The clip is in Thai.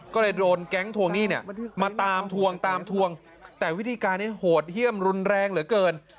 ก็เลยโดนแก๊งทวงหนี้เนี่ยมาตามทวงตามทวงแต่วิธีการนี้โหดเยี่ยมรุนแรงเหลือเกิน